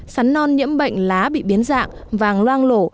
sắn non nhiễm bệnh lá bị biến dạng vàng loang lổ